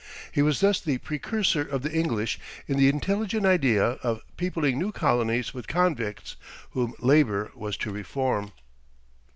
He was thus the precursor of the English in the intelligent idea of peopling new colonies with convicts, whom labour was to reform.